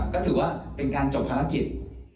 ก็ถือว่าเป็นการจบภารกิจ